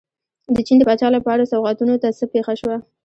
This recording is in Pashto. د چین د پاچا لپاره سوغاتونو ته څه پېښه شوه.